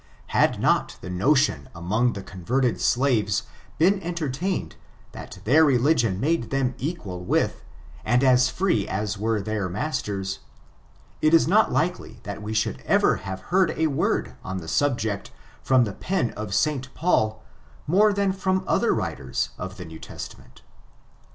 Had not the notion among the con verted slaves been entertained that their religion made them equal with, and as free as were their masters, it is not likely that we should ever have heard a word on the subject from the pen of St. Paul, more than fix>m the other writers of the New Testament But, 1 ' I FORTUNES, OF THE NEGRO RACE.